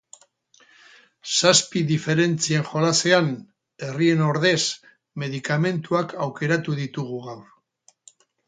Zazpi diferentzien jolasean, herrien ordez, medikamentuak aukeratu ditugu gaur.